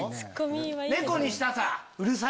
猫にしたさ！